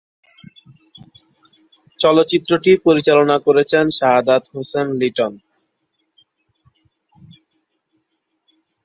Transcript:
চলচ্চিত্রটি পরিচালনা করেছেন শাহাদাত হোসেন লিটন।